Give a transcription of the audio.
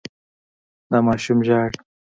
دا ماشوم ژاړي.